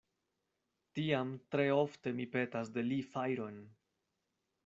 Tiam tre ofte mi petas de li fajron.